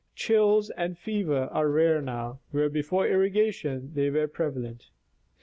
Chills and fever are rare now, where before irrigation they were prevalent.